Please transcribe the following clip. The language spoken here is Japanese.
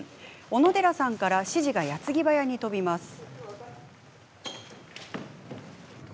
小野寺さんから指示がやつぎばやに飛びます。